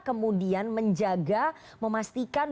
kemudian menjaga memastikan